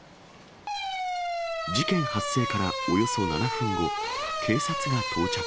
事件発生からおよそ７分後、警察が到着。